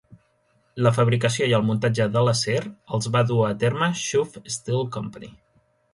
La fabricació i el muntatge de l'acer els va dur a terme Schuff Steel Company.